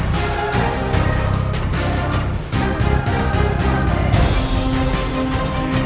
sampai sudah brown